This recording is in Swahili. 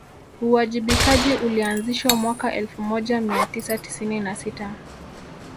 uwajibikaji ulianzishwa mwaka elfu moja mia tisa tisini na sita